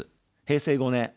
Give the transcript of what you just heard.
平成５年。